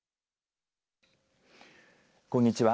こんにちは。